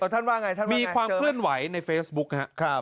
ท่านว่าไงท่านมีความเคลื่อนไหวในเฟซบุ๊คครับ